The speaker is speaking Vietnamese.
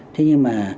thế nhưng mà